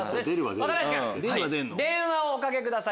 若林君電話をおかけください